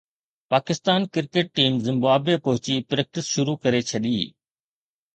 Pakistan cricket team Zimbabwe پهچي practice شروع ڪري ڇڏي